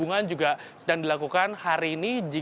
dukungan juga sedang dilakukan hari ini